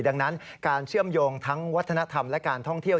ดังนั้นการเชื่อมโยงทั้งวัฒนธรรมและการท่องเที่ยว